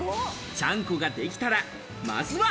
ちゃんこができたら、まずは。